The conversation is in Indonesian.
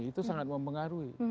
itu sangat mempengaruhi